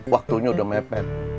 waktunya udah mepet